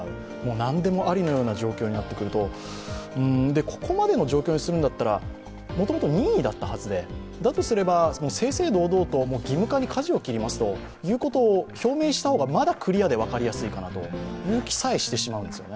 何でもありのような状況になってくると、ここまでの状況にするんだったらもともと任意だったはずで、だとすれば正々堂々と義務化にかじを切りますということを表明した方がまだクリアで分かりやすいかなという気さえ、してしまうんですよね。